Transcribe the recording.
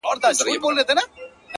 اول بخښنه درڅه غواړمه زه ـ